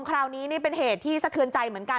คราวนี้นี่เป็นเหตุที่สะเทือนใจเหมือนกัน